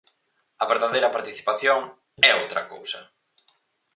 A verdadeira participación é outra cousa.